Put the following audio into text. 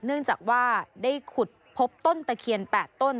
เนื่องจากว่าได้ขุดพบต้นตะเคียน๘ต้น